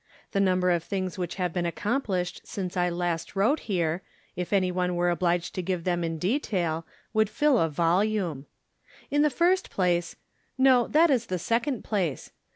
The number of things wliich have been accomplished since I last wrote here, if any one were obliged to give thfim in detail, would fill a volume. In the first place — no, that is the second place.